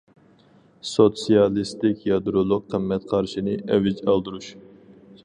سوتسىيالىستىك يادرولۇق قىممەت قارىشىنى ئەۋج ئالدۇرۇش.